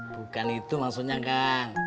bukan itu maksudnya kang